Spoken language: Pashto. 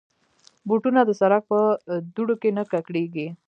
بوټونه د سړک په دوړو کې نه ککړېږي.